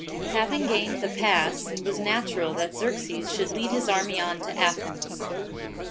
HAVING gained the pass, it was natural that Xerxes should lead his army on to Athens.